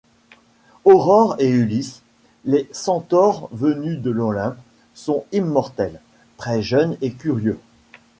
Aurore et Ulysse, les centaures venus de l'Olympe, sont immortels, très jeunes et curieux.